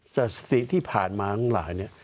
จากสิ่งที่ผ่านมาข้างหลังเนี่ย